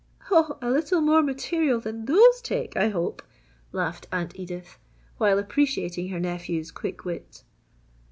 "Oh, a little more material than those take, I hope!" laughed Aunt Edith, while appreciating her nephew's quick wit.